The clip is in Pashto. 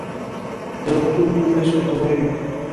د روغتون کوم رئیس ورته ویلي و.